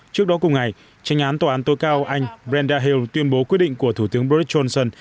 trước đó cùng ngày tranh án tòa án tối cao anh brenda hill tuyên bố quyết định của thủ tướng boris johnson